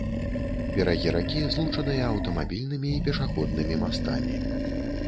Берагі ракі злучаныя аўтамабільнымі і пешаходнымі мастамі.